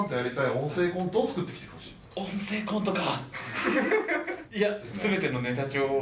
音声コントか。